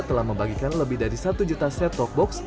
telah membagikan lebih dari satu juta set top box